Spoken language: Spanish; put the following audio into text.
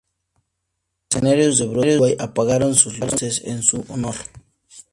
Los escenarios de Broadway apagaron sus luces en su honor.